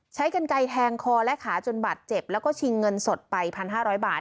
ใช้กันไก่แทงคอและขาจนบัดเจ็บแล้วก็ชิงเงินสดไปพันห้าร้อยบาท